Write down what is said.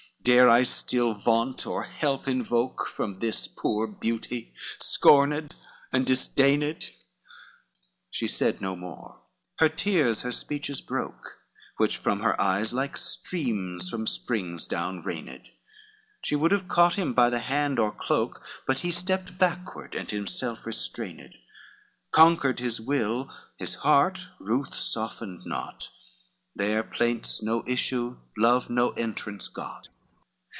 dare I still vaunt, or help invoke From this poor beauty, scorned and disdained?" She said no more, her tears her speeches broke, Which from her eyes like streams from springs down rained: She would have caught him by the hand or cloak, But he stepped backward, and himself restrained, Conquered his will, his heart ruth softened not, There plaints no issue, love no entrance got.